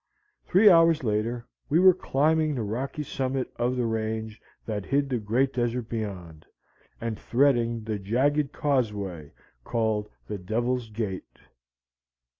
Three hours later, we were climbing the rocky summit of the range that hid the great desert beyond, and threading the jagged causeway called the Devil's Gate.